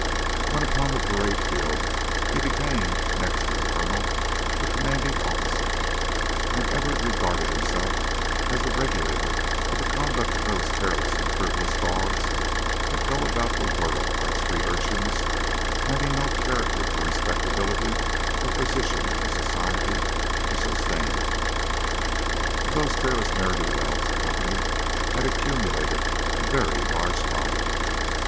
When upon the parade field, he became, next to the colonel, the commanding officer, and ever regarded himself as the regulator of the conduct of those careless and frivolous dogs, that go about the world like street urchins, having no character for respectability or position in society to sustain. Of those careless ne'er do wells the company had accumulated a very large following.